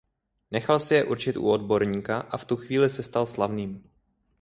Nechal si je určit u odborníka a v tu chvíli se stal slavným.